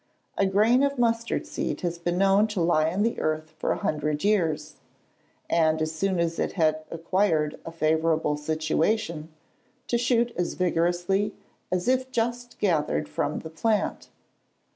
A grain of mustard seed has been known to lie in the earth for a hundred years; and as soon as it had acquired a favourable situation, to shoot as vigorously as if just gathered from the plant.